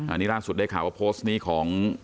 อันนี้ล่าสุดได้ข่าวว่าโพสต์นี้ของ